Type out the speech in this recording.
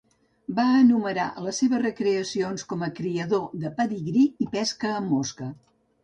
Va enumerar les seves recreacions com a criador de pedigrí i pesca amb mosca.